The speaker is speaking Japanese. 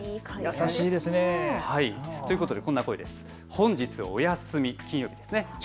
優しいですね。ということでこんな声です。